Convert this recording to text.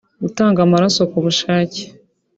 gutanga amaraso ku bushake